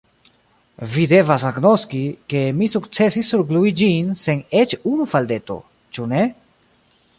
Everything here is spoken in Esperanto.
Vi devas agnoski, ke mi sukcesis surglui ĝin sen eĉ unu faldeto, ĉu ne?